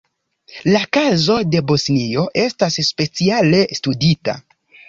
La kazo de Bosnio estas speciale studita.